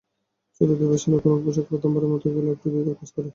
চলতি ফ্যাশনের কোনো পোশাক প্রথমবার পরতে গেলে একটু দ্বিধা কাজ করে।